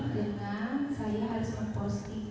dengan saya harus memposting